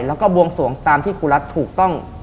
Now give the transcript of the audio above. แล้วก็บวงสวงตามที่ครูรัฐถูกต้อง